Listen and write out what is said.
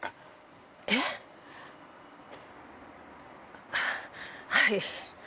あぁはい。